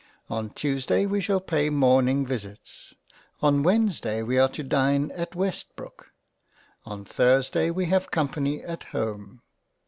On Tuesday we shall pay Morning Visits — On Wednesday we are to dine at Westbrook. On Thursday we have Company at home.